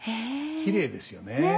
きれいですよねえ。